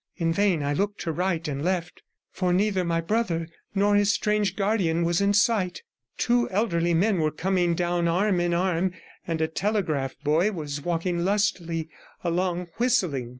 In vain I looked to right and left, for neither my brother nor his strange guardian was in sight; two elderly men were coming down arm in arm, and a telegraph boy was walking lustily along whistling.